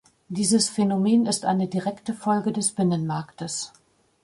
Dieses Phänomen ist eine direkte Folge des Binnenmarktes.